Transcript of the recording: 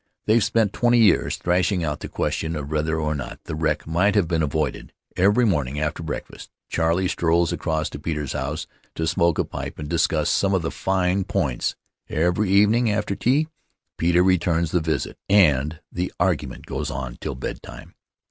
They've spent twenty years thrashing out the question of whether or not the wreck might have been avoided. Every morning, after breakfast, Charley strolls across to Peter's house to smoke a pipe and discuss some of the fine points; every evening, after tea, Peter returns the visit, and the argument goes on till bedtime.